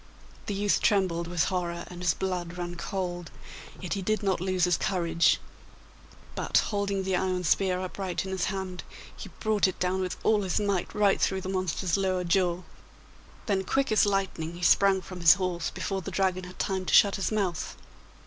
The youth trembled with horror, and his blood ran cold, yet he did not lose his courage; but, holding the iron spear upright in his hand, he brought it down with all his might right through the monster's lower jaw. Then quick as lightning he sprang from his horse before the Dragon had time to shut his mouth.